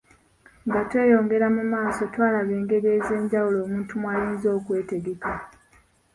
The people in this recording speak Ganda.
Nga tweyongera mu maaso twalaba engeri ez’enjawulo omuntu mw’ayinza okwetegeka.